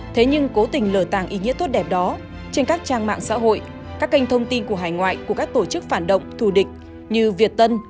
thế nhưng cố tình lở tàng ý nghĩa tốt đẹp đó trên các trang mạng xã hội các kênh thông tin của hải ngoại của các tổ chức phản động thù địch như việt tân